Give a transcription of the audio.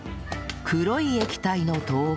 黒い液体の豆腐